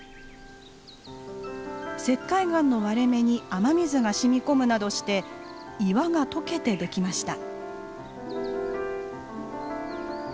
石灰岩の割れ目に雨水がしみ込むなどして岩が溶けてできました。